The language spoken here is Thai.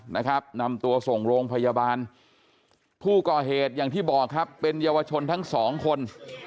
นะครับนำตัวส่งโรงพยาบาลผู้ก่อเหตุอย่างที่บอกครับเป็นเยาวชนทั้งสองคน